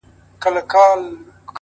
له غمه جنجالي او بې ربطه